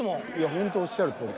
ほんとおっしゃるとおり。